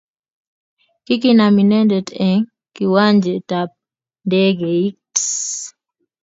kikinam inendet eng kiwanjet ab ndegeit